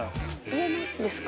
家のですか？